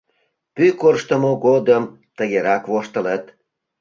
Пӱй корштымо годым тыгерак воштылыт.